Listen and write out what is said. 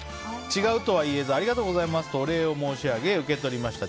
違うとはいえずありがとうございますとお礼を申し上げ受け取りました。